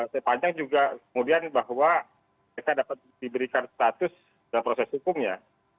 sepanjang juga kemudian bahwa mereka dapat diberikan status proses hukumnya